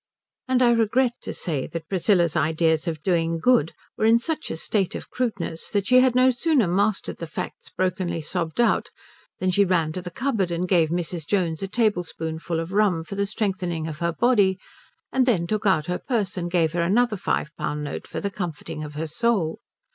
And I regret to say that Priscilla's ideas of doing good were in such a state of crudeness that she had no sooner mastered the facts brokenly sobbed out than she ran to the cupboard and gave Mrs. Jones a tablespoonful of rum for the strengthening of her body and then took out her purse and gave her another five pound note for the comforting of her soul.